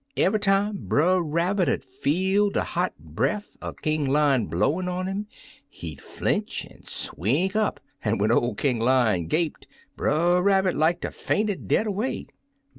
Eve'y time Brer Rabbit 'ud feel de hot breff er King Lion blowin' on 'im, he'd flinch an' swink up, an' when ol' King Lion gaped, Brer Rabbit like ter fainted dead away.